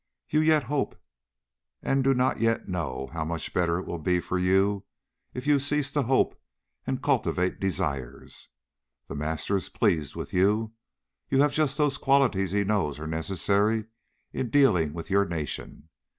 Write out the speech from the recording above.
You yet hope, and do not yet know how much better it will be for you if you cease to hope, and cultivate desires! The Master is pleased with you. You have just those qualities he knows are necessary in dealing with your nation.